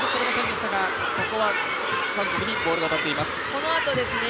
このあとですね。